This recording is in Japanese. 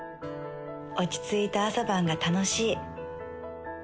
落ち着いた朝晩が楽しい。